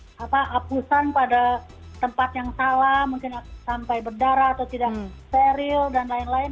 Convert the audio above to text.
apa apusan pada tempat yang salah mungkin sampai berdarah atau tidak steril dan lain lain